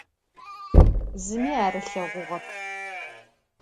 Zımi ar ılheğuğep.